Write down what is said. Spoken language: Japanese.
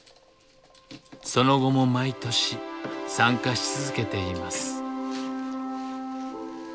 その後も毎年参加し続けています。